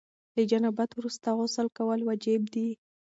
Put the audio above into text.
له جنابت وروسته غسل کول واجب دي.